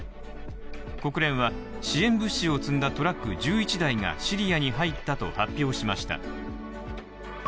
国連は支援物資を積んだトラック１１台がシリアに入ったと発表しました。